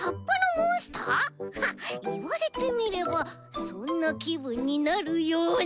いわれてみればそんなきぶんになるような！